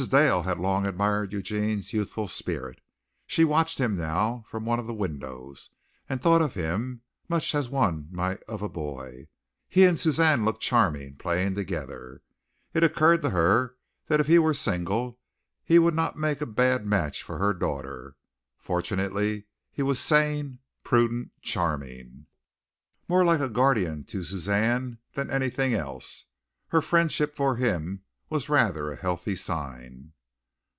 Dale had long admired Eugene's youthful spirit. She watched him now from one of the windows, and thought of him much as one might of a boy. He and Suzanne looked charming playing together. It occurred to her that if he were single he would not make a bad match for her daughter. Fortunately he was sane, prudent, charming, more like a guardian to Suzanne than anything else. Her friendship for him was rather a healthy sign.